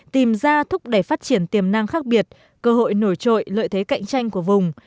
tìm ra thúc đẩy phát triển tiềm năng khác biệt cơ hội nổi trội lợi thế cạnh tranh của vùng